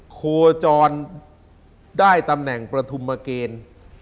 โคจรได้ตำแหน่งประธุมเกณฑ์